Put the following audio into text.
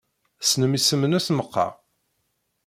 Tessnem isem-nnes meqqar?